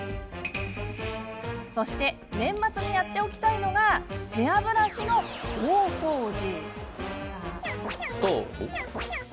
そして年末にやっておきたいのがヘアブラシの大掃除。